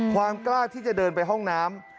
ความกล้าที่จะเดินไปห้องน้ำ